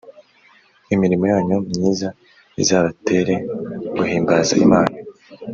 imirimo yanyu myiza izabatere guhimbaza Imana